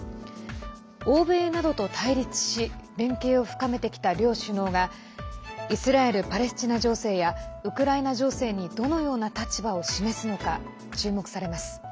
欧米などと対立し連携を深めてきた両首脳がイスラエル・パレスチナ情勢やウクライナ情勢にどのような立場を示すのか注目されます。